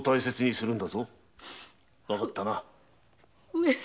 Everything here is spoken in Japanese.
上様。